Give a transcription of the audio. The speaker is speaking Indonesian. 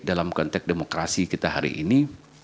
dalam konteks demokrasi kita hari ini